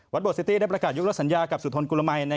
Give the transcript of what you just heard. วัดโบร์ทสิตี้ได้ประกาศยุกต์แล้วสัญญากับซุดทนกุลมัย